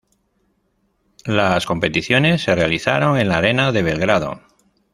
Las competiciones se realizaron en la Arena de Belgrado.